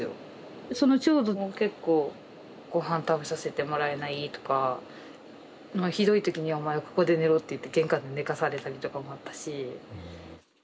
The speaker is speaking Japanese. その長女も結構ごはん食べさせてもらえないとかひどい時にはお前ここで寝ろって言って玄関で寝かされたりとかもあったし。